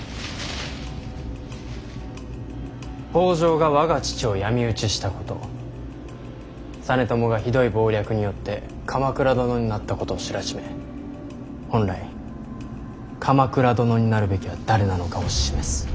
北条が我が父を闇討ちしたこと実朝がひどい謀略によって鎌倉殿になったことを知らしめ本来鎌倉殿になるべきは誰なのかを示す。